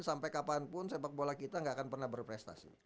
sampai kapanpun sepak bola kita nggak akan pernah berprestasi